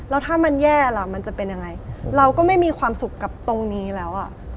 แล้วถ้ามันแย่ล่ะมันจะเป็นยังไงเราก็ไม่มีความสุขกับตรงนี้แล้วอ่ะ